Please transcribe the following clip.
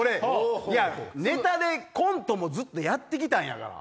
ネタでコントもずっとやってきたんやから。